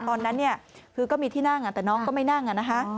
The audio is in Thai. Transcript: ตอนนั้นก็มีที่นั่งแต่น้องก็ไม่นั่ง